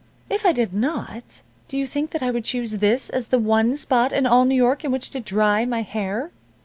"If I did not, do you think that I would choose this as the one spot in all New York in which to dry my hair?"